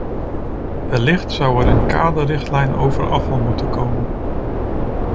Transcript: Wellicht zou er een kaderrichtlijn over afval moeten komen.